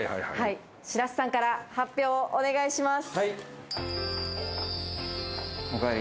白洲さんから発表お願いします。